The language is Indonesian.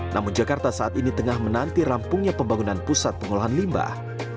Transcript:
namun jakarta saat ini tengah menanti rampungnya pembangunan pusat pengolahan limbah